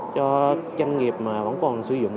cho doanh nghiệp mà vẫn còn sử dụng